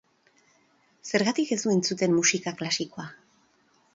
Zergatik ez du entzuten musika klasikoa?